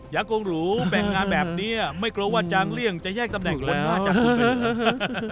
อยากองรูแบ่งงานแบบเนี้ยไม่กลัวว่าจางเลี่ยงจะแยกตำแหน่งหัวหน้าจากคุณไป